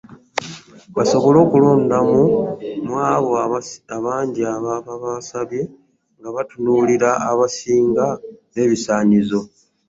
Basobole okulondamu mu abo abangi ababa basabye nga batunuulira aba asinga n'ebisaanyizo.